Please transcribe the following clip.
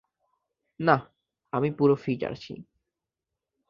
না, আমি পুরো ফিট আছি।